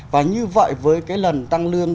và như vậy với cái lần tăng lương